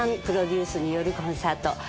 プロデュースによるコンサート